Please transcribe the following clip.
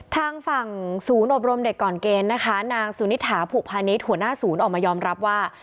ทางฝั่งศูนย์อบรมเด็กก่อนเกณฑ์นะคะนางสุนิษฐาผูกพาณิชย์หัวหน้าศูนย์ออกมายอมรับว่า